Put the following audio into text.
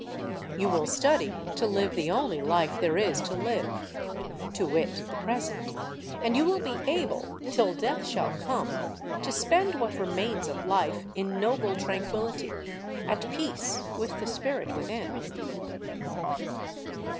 You will study to live the only life there is to live, to wit the present; and you will be able, till death shall come, to spend what remains of life in noble tranquillity, at peace with the spirit within.